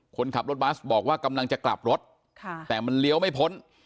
คนขับรถบัสบอกว่ากำลังจะกลับรถแต่มันเลี้ยวไม่พ้น